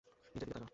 নিজের দিকে তাকা!